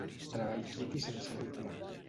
Treball quiet i sense ritme.